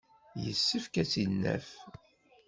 Yessefk ad tt-id-naf.